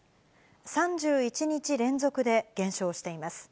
３１日連続で減少しています。